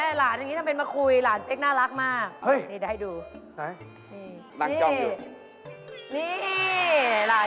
หลานฉันขวบหนึ่งก็พูดแล้ว